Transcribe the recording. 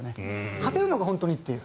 勝てるのか、本当にという。